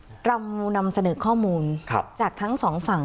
เรานำเสนอข้อมูลจากทั้งสองฝั่ง